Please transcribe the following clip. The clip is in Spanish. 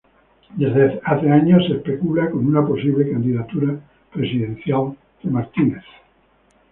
Desde hace años se especula con una posible candidatura presidencial de Martínez.